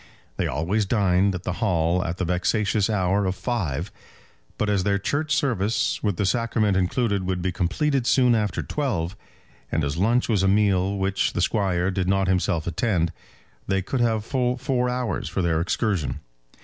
They always dined at the Hall at the vexatious hour of five; but as their church service, with the sacrament included, would be completed soon after twelve, and as lunch was a meal which the Squire did not himself attend, they could have full four hours for their excursion.